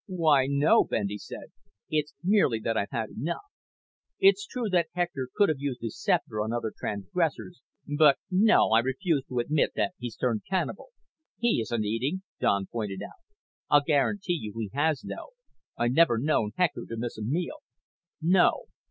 "Why, no," Bendy said. "It's merely that I've had enough. It's true that Hector could have used his scepter on other transgressors, but no, I refuse to admit that he's turned cannibal." "He isn't eating," Don pointed out. "I'll guarantee you he has, though. I've never known Hector to miss a meal. No.